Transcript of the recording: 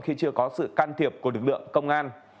khi chưa có sự can thiệp của lực lượng công an